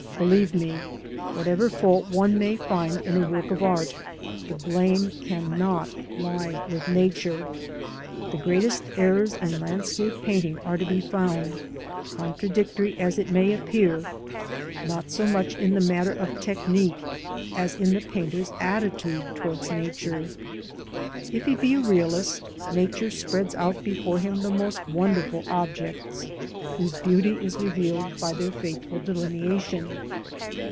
Believe me, whatever fault one may find in a work of art, the blame cannot lie with Nature. The greatest errors in landscape painting are to be found — contradictory as it may appear— not so much in the matter of technique as in the painter's attitude towards Nature. If he be a realist. Nature spreads out before him the most wonderful objects, whose beauty PREFACE. xi is revealed by their faithful delineation.